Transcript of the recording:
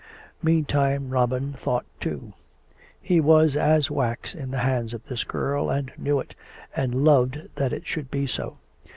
Meantime Robin thought too. He was as wax in the hands of this girl, and knew it, and loved that it should be so.